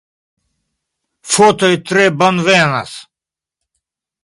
Fotoj tre bonvenas.